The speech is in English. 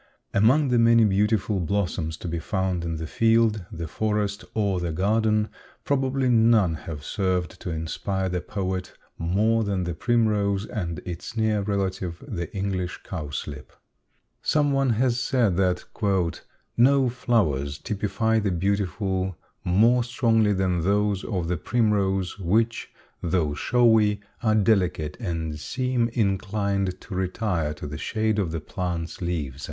_ Among the many beautiful blossoms to be found in the field, the forest, or the garden probably none have served to inspire the poet more than the primrose and its near relative, the English cowslip. Someone has said that "no flowers typify the beautiful more strongly than those of the primrose which, though showy, are delicate and seem inclined to retire to the shade of the plant's leaves."